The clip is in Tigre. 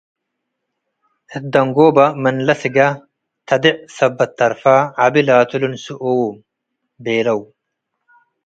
እት ደንጎባ' ምን ለስገ ተዴዕ ሰበ'ት ተርፈ፤ “ዐቢ ላቱ ልንስኦምሦ ቤለው።